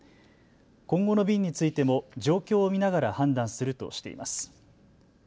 今後の便についても状況を見ながら判断するとしています。